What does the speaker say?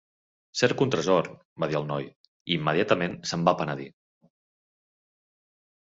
"Cerco un tresor", va dir el noi, i immediatament se'n va penedir.